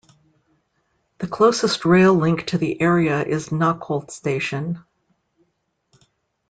The closest rail link to the area is Knockholt station.